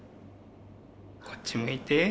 こっち向いて。